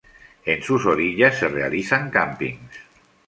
En sus orillas se realizan "campings".